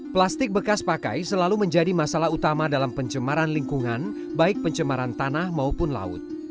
plastik bekas pakai selalu menjadi masalah utama dalam pencemaran lingkungan baik pencemaran tanah maupun laut